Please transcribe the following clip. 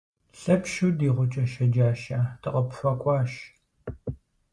Лъэпщу ди гъукӏэ щэджащэ, дыкъыпхуэкӏуащ.